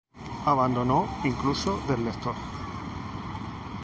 Abandono, incluso, del lector.